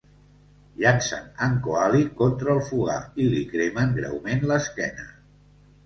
Llancen en Coaly contra el fogar i li cremen greument l'esquena.